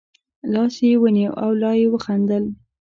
لاس یې ونیو او لا یې خندل.